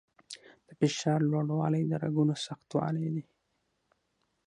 د فشار لوړوالی د رګونو سختوالي دی.